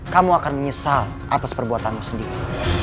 kamu akan menyesal atas perbuatanmu sendiri